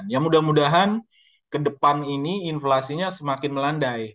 ya mudah mudahan ke depan ini inflasinya semakin melandai